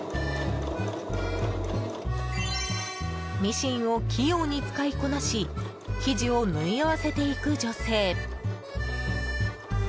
ミシンを器用に使いこなし生地を縫い合わせていく女性。